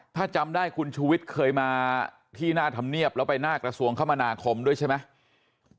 ถ้าจำได้คุณชูวิทย์เคยมาที่หน้าธรรมเนียบแล้วไปหน้ากระทรวงคมนาคมด้วยใช่ไหม